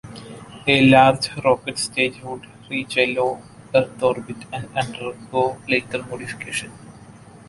A large rocket stage would reach a low Earth orbit and undergo later modification.